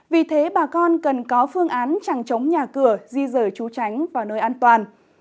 vì thế bà con cần có phương án chẳng chống nhà cửa di rời chú tránh vào nơi an toàn